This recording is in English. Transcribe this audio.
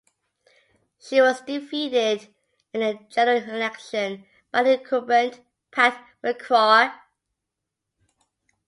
She was defeated in the general election by incumbent Pat McCrory.